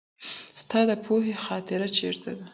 ستا د پوهنځي خاطرې چیرته دي؟